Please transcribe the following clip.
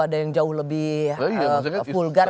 ada yang jauh lebih vulgar